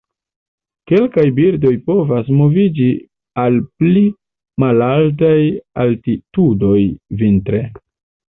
Kelkaj birdoj povas moviĝi al pli malaltaj altitudoj vintre.